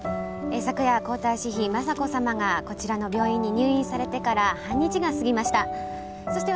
昨夜皇太子妃雅子さまがこちらの病院に入院されてから半日が過ぎました。